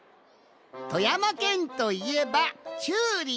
富山県といえば「チューリップ」！